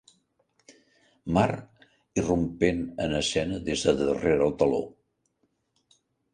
Mar, irrompent en escena des del darrere del teló—.